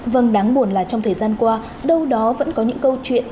vâng đáng buồn là trong thời gian qua đâu đó vẫn có những câu chuyện